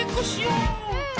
うん！